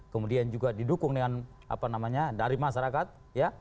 kemudian juga didukung dengan apa namanya dari masyarakat ya